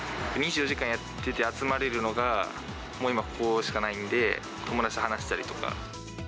２４時間やってて集まれるのが、もう今、ここしかないんで、友達と話したりとか。